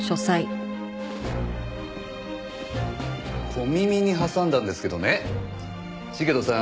小耳に挟んだんですけどね茂斗さん